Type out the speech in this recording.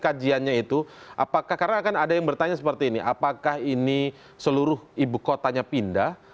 kajiannya itu apakah karena akan ada yang bertanya seperti ini apakah ini seluruh ibu kotanya pindah